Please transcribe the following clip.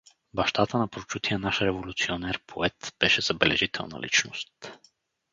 Бащата на прочутия наш революционер-поет беше забележителна личност.